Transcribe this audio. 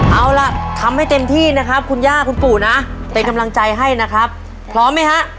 เอาล่ะทำให้เต็มที่นะครับคุณย่าคุณปู่นะเป็นกำลังใจให้นะครับพร้อมไหมฮะ